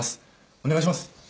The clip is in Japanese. お願いします。